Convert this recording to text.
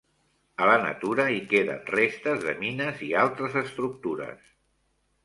A la natura hi queden restes de mines i altres estructures.